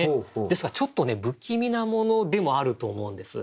ですがちょっとね不気味なものでもあると思うんです。